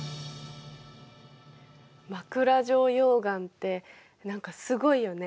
枕状溶岩って何かすごいよね。